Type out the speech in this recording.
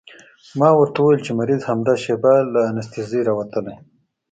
ما ورته وويل چې مريض همدا شېبه له انستيزۍ راوتلى.